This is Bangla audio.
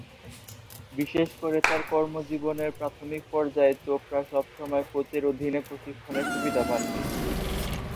বিশেষ করে তার কর্মজীবনের প্রাথমিক পর্যায়ে চোপড়া সবসময় কোচের অধীনে প্রশিক্ষণের সুবিধা পাননি।